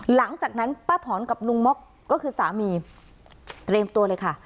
หลังจากนั้นป้าถอนกับลุงม็อกก็คือสามีเตรียมตัวเลยค่ะ